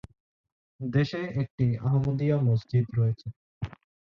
দেশে একটি আহমদিয়া মসজিদ রয়েছে।